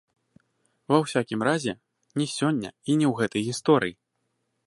Ва ўсякім разе не сёння і не ў гэтай гісторыі.